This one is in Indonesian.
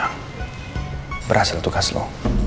aku mau ikut sama dia